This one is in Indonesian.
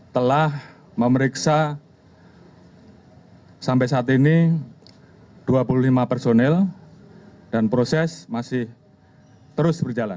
telah memeriksa sampai saat ini dua puluh lima personil dan proses masih terus berjalan